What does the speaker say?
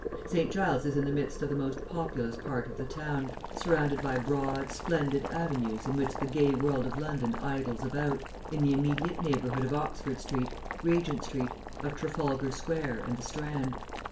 St. Giles is in the midst of the most populous part of the town, surrounded by broad, splendid avenues in which the gay world of London idles about, in the immediate neighbourhood of Oxford Street, Regent Street, of Trafalgar Square and the Strand.